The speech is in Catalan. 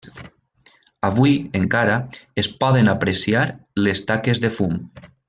Avui, encara, es poden apreciar les taques de fum.